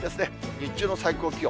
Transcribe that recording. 日中の最高気温。